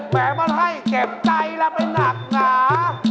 แม้ว่าให้เก็บใจรักไว้หนักหนา